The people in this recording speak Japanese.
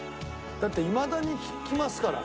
だっていまだに聴きますからね。